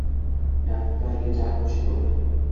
ডাক্তারকে যা খুশি করো।